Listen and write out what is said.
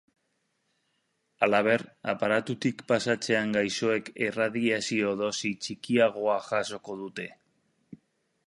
Halaber, aparatutik pasatzean gaixoek erradiazio-dosi txikiagoa jasoko dute.